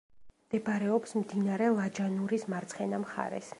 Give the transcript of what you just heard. მდებარეობს მდინარე ლაჯანურის მარცხენა მხარეს.